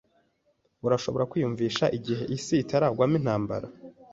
Urashobora kwiyumvisha igihe isi itarangwamo intambara?